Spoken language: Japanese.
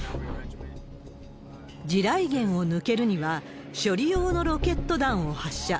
地雷原を抜けるには、処理用のロケット弾を発射。